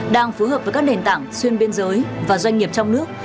đang phối hợp với các nền tảng xuyên biên giới và doanh nghiệp trong nước